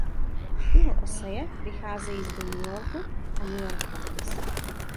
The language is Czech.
Jeho eseje vycházejí v The New Yorker a New York Times.